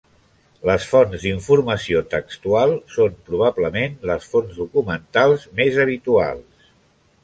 Les Fonts d'informació textual són probablement les fonts documentals més habituals.